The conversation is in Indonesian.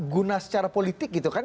guna secara politik gitu kan